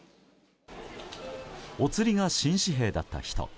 おつりが新紙幣だった人。